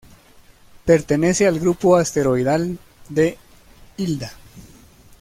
Pertenece al grupo asteroidal de Hilda.